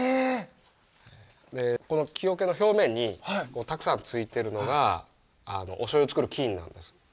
この木桶の表面にたくさんついてるのがおしょうゆをつくる菌なんです。